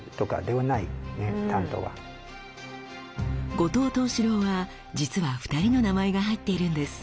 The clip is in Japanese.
「後藤藤四郎」は実は２人の名前が入っているんです。